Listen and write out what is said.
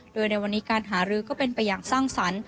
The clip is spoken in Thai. โดยในวันนี้การหารือก็เป็นไปอย่างสร้างสรรค์